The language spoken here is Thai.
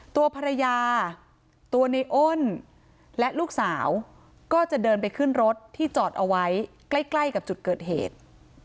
ตัวภรรยาตัวในอ้นและลูกสาวก็จะเดินไปขึ้นรถที่จอดเอาไว้ใกล้ใกล้กับจุดเกิดเหตุ